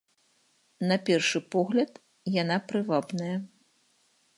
На першы погляд, яна прывабная.